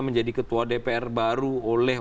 menjadi ketua dpr baru oleh